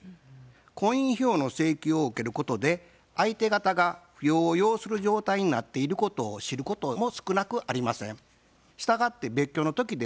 婚姻費用の請求を受けることで相手方が扶養を要する状態になっていることを知ることも少なくありません。